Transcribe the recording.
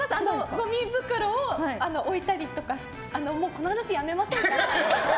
ごみ袋を置いたりとかもうこの話やめませんか？